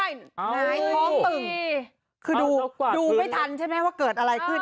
หงายท้องตึงคือดูไม่ทันใช่ไหมว่าเกิดอะไรขึ้น